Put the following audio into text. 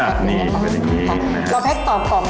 อ้าวนี่คือตัวอย่างงี้